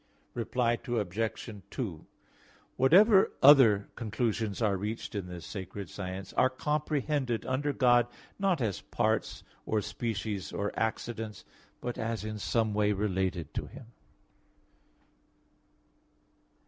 Reply Obj. 2: Whatever other conclusions are reached in this sacred science are comprehended under God, not as parts or species or accidents but as in some way related to Him.